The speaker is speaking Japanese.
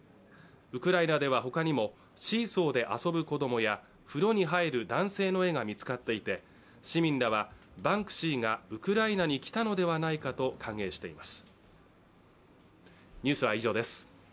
ウクライナではほかにもシーソーで遊ぶ子供や風呂に入る男性の絵が見つかっていて市民らは、バンクシーがウクライナに来たのではないかと歓迎しています。